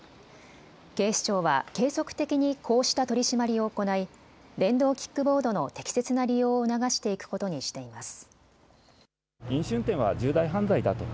警視庁は継続的にこうした取締りを行い電動キックボードの適切な利用を促していくことにしています。